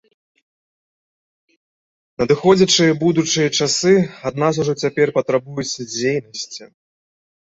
Надыходзячыя будучыя часы ад нас ужо цяпер патрабуюць дзейнасці.